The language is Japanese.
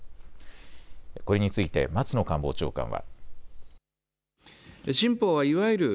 これについて松野官房長官は。